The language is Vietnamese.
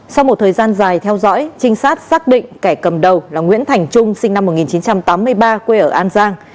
sau một thời gian dài theo dõi trinh sát xác định kẻ cầm đầu là nguyễn thành trung sinh năm một nghìn chín trăm tám mươi ba quê ở an giang